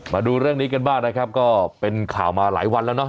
มาดูเรื่องนี้กันบ้างนะครับก็เป็นข่าวมาหลายวันแล้วเนาะ